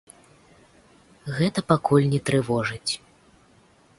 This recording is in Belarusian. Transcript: Гэта пакуль не трывожыць.